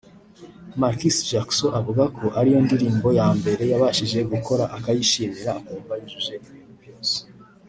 Marquise Jackson avuga ko ariyo ndirimbo ya mbere yabashije gukora akayishimira akumva yujuje ibintu byose